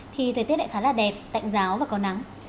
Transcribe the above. thì thời tiết lại khá là đẹp tạnh giáo và có nắng